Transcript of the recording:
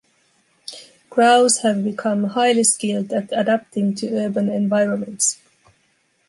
Crows have become highly skilled at adapting to urban environments.